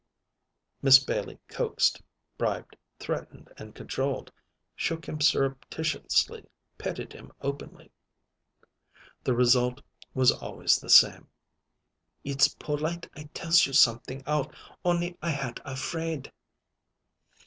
Miss Bailey coaxed, bribed, threatened and cajoled; shook him surreptitiously, petted him openly. The result was always the same: "It's polite I tells you something out, on'y I had a fraid."